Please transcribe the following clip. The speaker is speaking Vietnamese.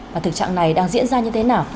và thực trạng này đang diễn ra như thế nào